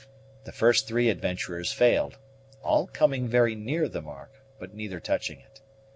The first three adventurers failed, all coming very near the mark, but neither touching it.